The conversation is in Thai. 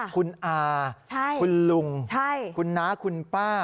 คุณอาคุณลุงคุณน้าคุณป้า